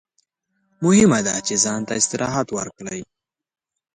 مهمه ده چې ځان ته استراحت ورکړئ.